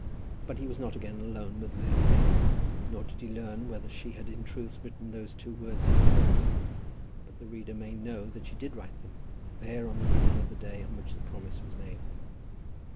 But he was not again alone with Lily Dale, nor did he learn whether she had in truth written those two words in her book. But the reader may know that she did write them there on the evening of the day on which the promise was made.